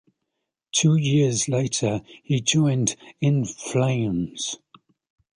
Two years later he joined In Flames.